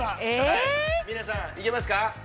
皆さん、行けますか？